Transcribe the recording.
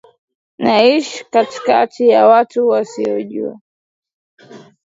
Naishi katikati ya watu wasiojua